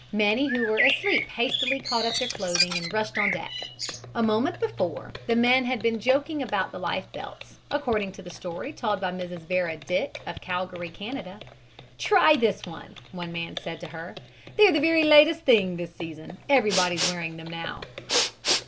Many who were asleep hastily caught up their clothing and rushed on deck. A moment before the men had been joking about the life belts, according to the story told by Mrs. Vera Dick, of Calgary, Canada. "Try this one," one man said to her, "they are the very latest thing this season. Everybody's wearing them now."